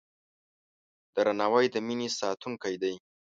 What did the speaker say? درناوی د مینې ساتونکی دی.